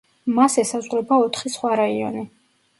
მას ესაზღვრება ოთხი სხვა რაიონი.